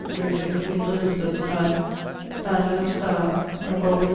writt in queen Elizabeth's time, hand and stile ἀνονυμῶς.